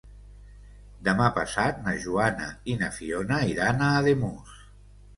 Demà passat na Joana i na Fiona iran a Ademús.